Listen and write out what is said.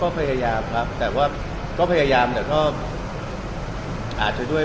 ก็พยายามครับแต่ว่าก็พยายามแต่ก็อาจจะด้วย